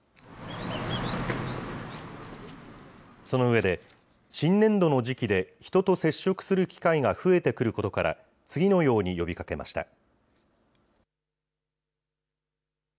その上で、新年度の時期で人と接触する機会が増えてくることから、次のように呼びかけました。